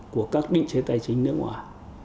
của các định chế tài chính nước ngoài